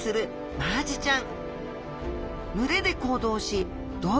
マアジちゃん